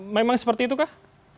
memang seperti itukah